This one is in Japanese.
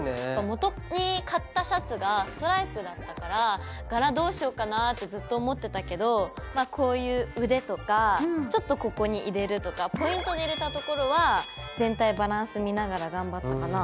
もとに買ったシャツがストライプだったからがらどうしようかなってずっと思ってたけどこういう腕とかちょっとここに入れるとかポイントで入れたところは全体バランス見ながら頑張ったかな。